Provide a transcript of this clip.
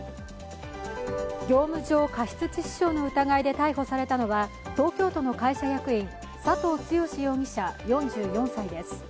業務上過失致死傷の疑いで逮捕されたのは、東京都の会社役員、佐藤剛容疑者４４歳です。